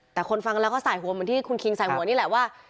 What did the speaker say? แต่คนฟังแล้วก็สายหัวเหมือนที่คุณคิงใส่หัวนี่แหละว่า